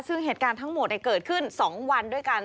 ซึ่งเหตุการณ์ทั้งหมดเกิดขึ้น๒วันด้วยกัน